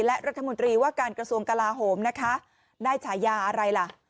และรัฐมนตรีว่าการกระทรวงกลาโหมนะคะได้ฉายาอะไรล่ะ